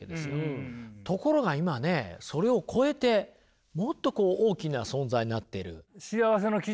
ところが今ねそれを超えてもっとこう大きな存在になってる。